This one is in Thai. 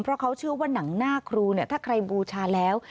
เพราะเขาเชื่อว่าหนังหน้าครูเนี่ยถ้าใครบูชาแล้ว